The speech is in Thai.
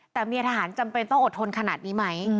แต่เมียทหารจำเป็นต้องอดทนขนาดนี้ไหม